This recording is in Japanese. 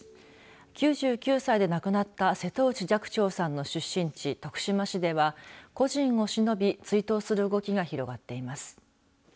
９９歳で亡くなった瀬戸内寂聴さんの出身地徳島市では故人をしのび追悼する動きが広がっています。